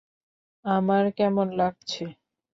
আমার কেমন লাগছে?